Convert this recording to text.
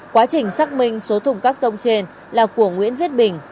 quá trình xác minh số thùng các tông trên là của nguyễn viết bình